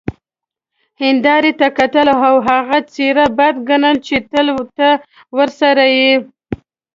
هیندارې ته کتل او هغه څیره بده ګڼل چې تل ته ورسره يې،